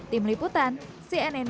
tim liputan cnn